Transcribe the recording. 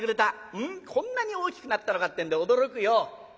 こんなに大きくなったのかってんで驚くよ。